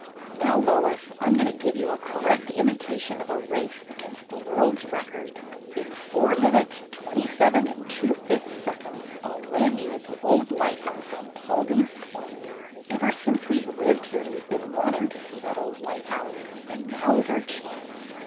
"Now, Lois, I 'm going to give you a cor rect imitation of a race against the world's record. In four minutes, twenty seven and two fifths seconds, I 'll land you at the old lighthouse on Paulding's Point. Ever since we 've lived here we 've been wanting to see that old lighthouse, and now is our chance.